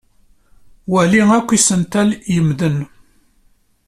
Wali akk isental yemmden.